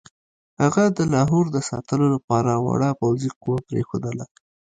هغه د لاهور د ساتلو لپاره وړه پوځي قوه پرېښودله.